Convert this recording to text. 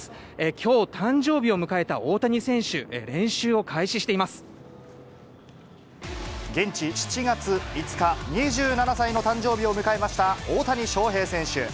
きょう、誕生日を迎えた大谷選手、現地７月５日、２７歳の誕生日を迎えました、大谷翔平選手。